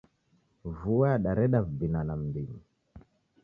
Vua yadareda wubinana m'mbinyi.